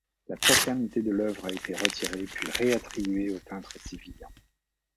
La paternité de l’œuvre a été retirée puis réattribuée au peintre sévillan.